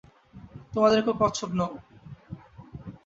তোমাদের কেউ কচ্ছপ নও!